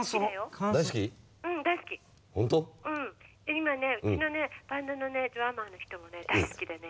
今ねうちのねバンドのねドラマーの人も大好きでね。